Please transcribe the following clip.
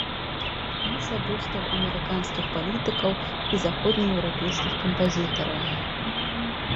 Маса бюстаў амерыканскіх палітыкаў і заходнееўрапейскіх кампазітараў.